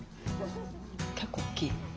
結構大きい。